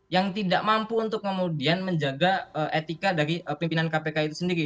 yang tidak mampu untuk kemudian menjaga etika dari pimpinan kpk itu sendiri